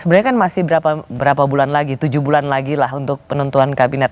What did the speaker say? sebenarnya kan masih berapa bulan lagi tujuh bulan lagi lah untuk penentuan kabinet